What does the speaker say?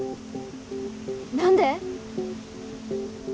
何で？